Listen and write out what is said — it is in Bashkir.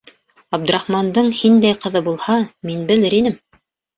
Абдрахмандың һиндәй ҡыҙы булһа, мин белер инем!